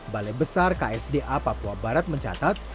balai besar ksda papua barat mencatat